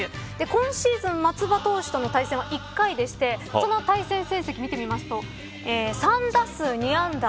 今シーズン松葉投手との対戦は１回でしてその対戦成績、見てみますと３打数２安打。